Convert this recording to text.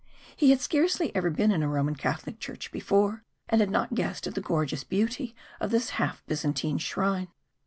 He had scarcely ever been in a Roman Catholic church before, and had not guessed at the gorgeous beauty of this half Byzantine shrine.